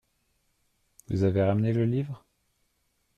Vous avez ramené le livre ?